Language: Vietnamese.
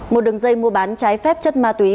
một đường dây mua bán trái phép chất ma túy